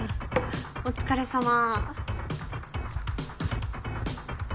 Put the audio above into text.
お疲れさま。